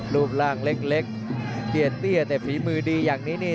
รูปร่างเล็กเตี้ยเตี้ยแต่ฝีมือดีอย่างนี้นี่